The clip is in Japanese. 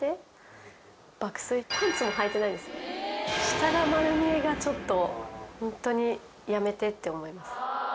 下が丸見えがちょっとホントにやめてって思います。